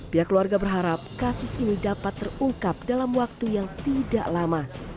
pihak keluarga berharap kasus ini dapat terungkap dalam waktu yang tidak lama